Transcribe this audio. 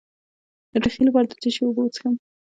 د ټوخي لپاره د څه شي اوبه وڅښم؟